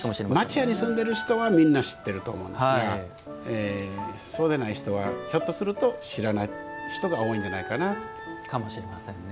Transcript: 町家に住んでる人はみんな知っていると思うんですがそうでない人はひょっとすると知らない人がかもしれませんね。